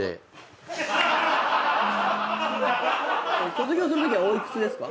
卒業するときはお幾つですか？